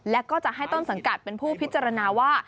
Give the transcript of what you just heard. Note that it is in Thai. และก็จะให้ต้นสังกัดเป็นผู้พิจารณาว่า